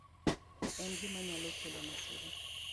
En gima nyalo kelo masira..